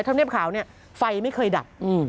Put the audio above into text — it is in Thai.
ธรรมเนียบขาวเนี่ยไฟไม่เคยดับ